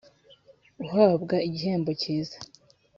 uhabwa igihembo cyiza